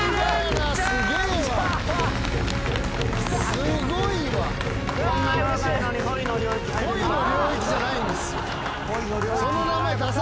すごいわ！